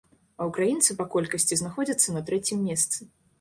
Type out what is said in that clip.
А ўкраінцы па колькасці знаходзяцца на трэцім месцы.